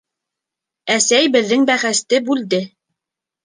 Әсәй беҙҙең бәхәсте бүлде: